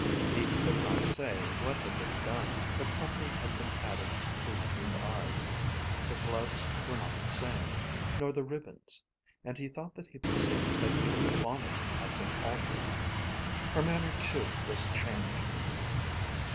He could not say what had been done, but something had been added to please his eyes. The gloves were not the same, nor the ribbons; and he thought that he perceived that even the bonnet had been altered. Her manner too was changed.